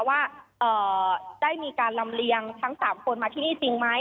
ว่าได้มีการลำเลียงทั้ง๓คนมาที่นี่จริงไหม